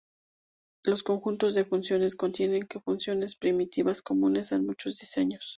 Los conjuntos de funciones contienen que funciones primitivas comunes en muchos diseños.